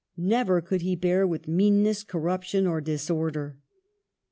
'* Never could he bear with meanness, corruption, or disorder.